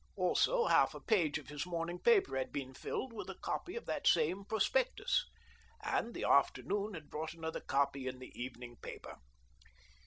Also half a page of his morning paper had been filled with a copy of that same prospectus, and the afternoon had brought another copy in the evening paper.